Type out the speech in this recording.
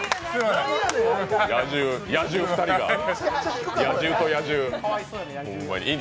野獣２人が、野獣と野獣。